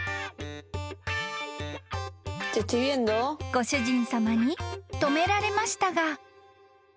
［ご主人さまに止められましたが］